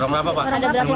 orang berapa pak